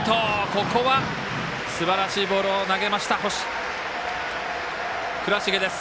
ここはすばらしいボールを投げました、倉重です。